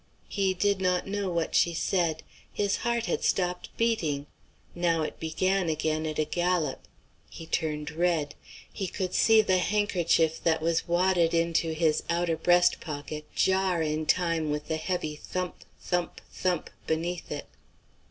He did not know what she said. His heart had stopped beating; now it began again at a gallop. He turned red. He could see the handkerchief that was wadded into his outer breast pocket jar in time with the heavy thump, thump, thump beneath it.